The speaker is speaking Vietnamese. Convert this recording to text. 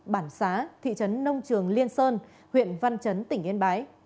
bản xá thị trấn nông trường liên sơn huyện văn chấn tỉnh yên bái